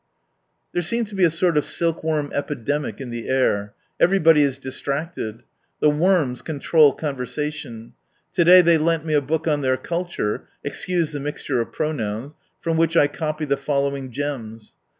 There seems to be a sort of silk worm epidemic in the air — everybody is distracted. The worms control conversation. To day they lent me a book on their culture {excuse the mixture of pronouns) from which I copy the following gems.